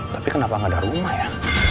tapi kenapa nggak ada rumah ya